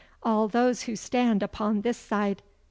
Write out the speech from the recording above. All those who stand upon this side.